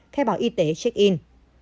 khai báo y tế check in